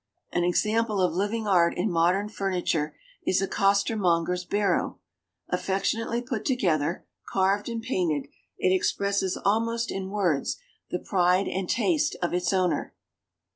An example of living art in modern furniture is a costermonger's barrow. Affectionately put together, carved and painted, it expresses almost in words the pride and taste of its owner.